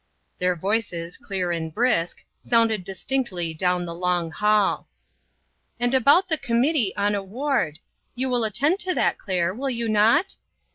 Their voices, clear and brisk, sounded distinctly down the long hall. " And about the Committee on Award ; you will attend to that, Claire, will you not?"